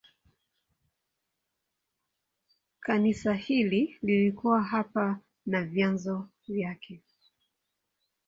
Kanisa hili lilikuwa hapa na vyanzo vyake.